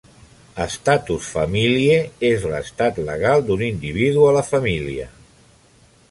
"Status familiae" és l'estat legal d'un individu a la família.